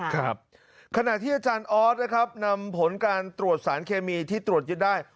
ครับขณะที่อาจารย์ออสนะครับนำผลการตรวจสารเคมีที่ตรวจยึดได้